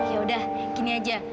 yaudah gini aja